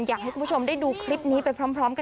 อยากให้คุณผู้ชมได้ดูคลิปนี้ไปพร้อมกัน